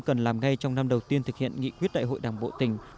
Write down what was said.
cần làm ngay trong năm đầu tiên thực hiện nghị quyết đại hội đảng bộ tỉnh